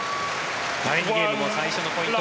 第２ゲームも最初のポイント